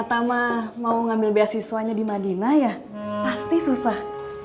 pertama mau ngambil beasiswanya di madinah ya pasti susah